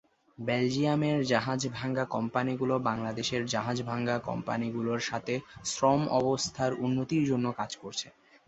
বেলজিয়ামের জাহাজ ভাঙ্গা কোম্পানিগুলো বাংলাদেশের জাহাজ ভাঙ্গা কোম্পানিগুলোর সাথে শ্রম অবস্থার উন্নতির জন্য কাজ করছে।